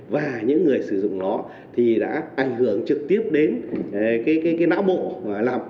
và những người sử dụng nó thì đã ảnh hưởng trực tiếp đến cái não bộ làm ảnh hưởng đến sức khỏe